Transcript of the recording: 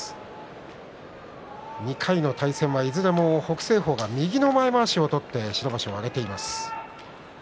２回の対戦はいずれも北青鵬が右の前まわしを取って白星を挙げています。